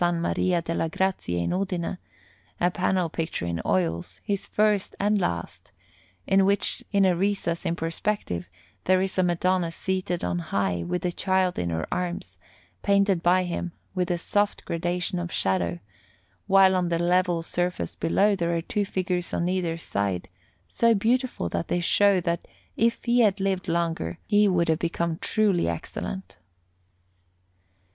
Maria delle Grazie in Udine, a panel picture in oils, his first and last, in which, in a recess in perspective, there is a Madonna seated on high with the Child in her arms, painted by him with a soft gradation of shadow, while on the level surface below there are two figures on either side, so beautiful that they show that if he had lived longer he would have become truly excellent.